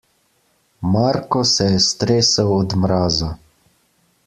Marko se je stresel od mraza.